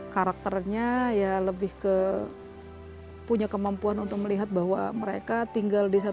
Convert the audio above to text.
karakternya ya lebih ke punya kemampuan untuk melihat bahwa mereka tinggal di satu